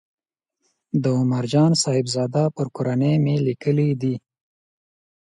د عمر جان صاحبزاده پر کورنۍ مې لیکلې ده.